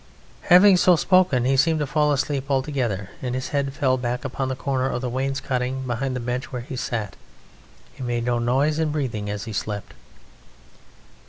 Having so spoken, he seemed to fall asleep altogether, and his head fell back upon the corner of the wainscoting behind the bench where he sat. He made no noise in breathing as he slept.